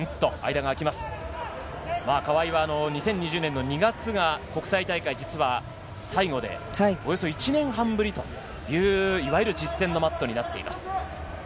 川井は２０２０年の２月が国際大会、実は最後で、およそ１年半ぶりといういわゆる実践のマットになっています。